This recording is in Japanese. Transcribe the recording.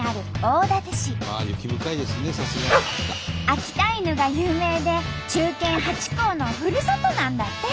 秋田犬が有名で忠犬ハチ公のふるさとなんだって！